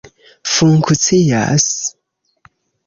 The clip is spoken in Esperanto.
funkcias